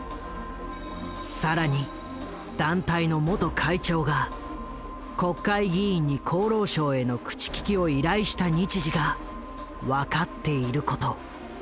更に団体の元会長が国会議員に厚労省への口利きを依頼した日時が分かっていること。